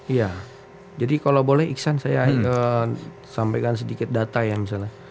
iya jadi kalau boleh iksan saya sampaikan sedikit data ya misalnya